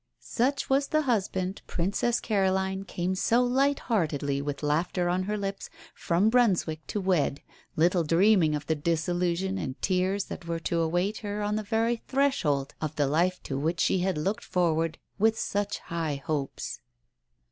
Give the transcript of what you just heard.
Such was the husband Princess Caroline came so light heartedly, with laughter on her lips, from Brunswick to wed, little dreaming of the disillusion and tears that were to await her on the very threshold of the life to which she had looked forward with such high hopes.